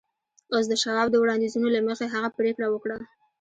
اوس د شواب د وړاندیزونو له مخې هغه پرېکړه وکړه